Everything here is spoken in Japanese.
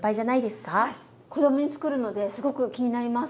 子供につくるのですごく気になります。